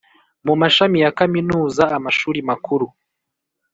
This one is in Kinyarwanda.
mu mashami ya Kaminuza amashuri makuru